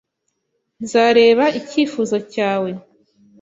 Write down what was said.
Nzareba icyifuzo cyawe.